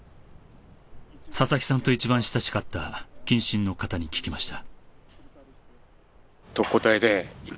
佐々木さんと一番親しかった近親の方に聞きました。